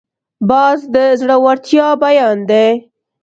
باز د زړورتیا بیان دی